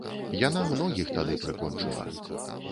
Яна многіх тады прыкончыла.